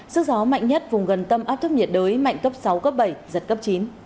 sức gió mạnh nhất vùng gần tâm áp thấp nhiệt đới mạnh cấp sáu cấp bảy giật cấp chín